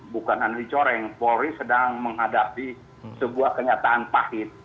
bukan hanya dicoreng polri sedang menghadapi sebuah kenyataan pahit